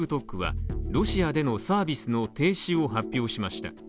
ＴｉｋＴｏｋはロシアでのサービス停止を発表しました。